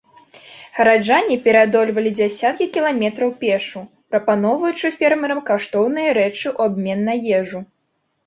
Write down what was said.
Гараджане пераадольвалі дзясяткі кіламетраў пешшу, прапануючы фермерам каштоўныя рэчы ў абмен на ежу.